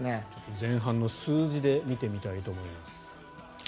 前半の数字で見てみたいと思います。